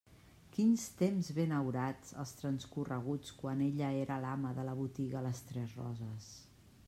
Quins temps benaurats els transcorreguts quan ella era l'ama de la botiga Les Tres Roses!